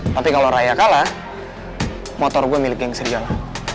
tapi kalau raya kalah motor gue milik geng seriala